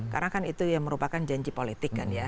karena kan itu yang merupakan janji politik kan ya